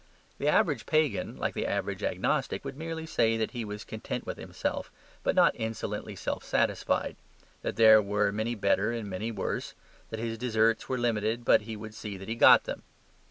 The average pagan, like the average agnostic, would merely say that he was content with himself, but not insolently self satisfied, that there were many better and many worse, that his deserts were limited, but he would see that he got them.